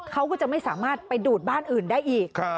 เขาก็จะไม่สามารถไปดูดบ้านอื่นได้อีก